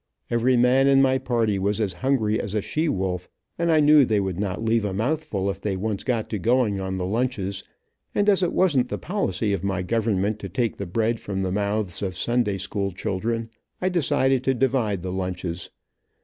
Every man in my party was as hungry as a she wolf, and I knew they would not leave a mouthful if they once got to going on the lunches, and as it wasn't the policy of my government to take the bread from the mouths of Sunday school children, I decided to divide the lunches.